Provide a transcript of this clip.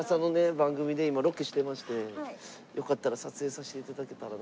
番組で今ロケしてましてよかったら撮影させて頂けたらなと。